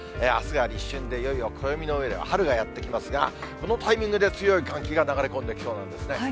あすが立春で、いよいよ暦の上では春がやって来ますが、このタイミングで強い寒気が流れ込んできそうなんですね。